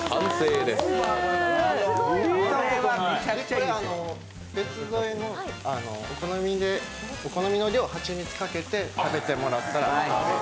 これ別添えのお好みの量、蜂蜜をかけて食べていただいたら。